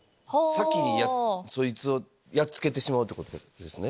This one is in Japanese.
先にそいつをやっつけてしまうってことですね。